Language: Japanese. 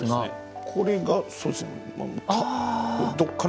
これがそうですね。